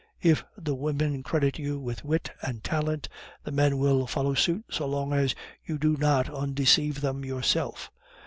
If the women credit you with wit and talent, the men will follow suit so long as you do not undeceive them yourself.